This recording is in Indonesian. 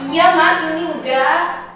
iya mas ini udah